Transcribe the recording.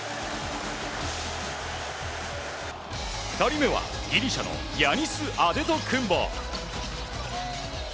２人目はギリシャのヤニス・アデトクンボ。